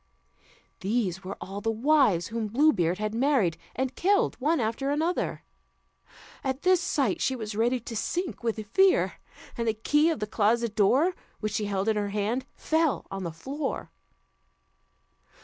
These were all the wives whom Blue Beard had married, and killed one after another. At this sight she was ready to sink with fear, and the key of the closet door, which she held in her hand, fell on the floor.